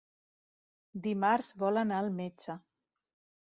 Dimarts vol anar al metge.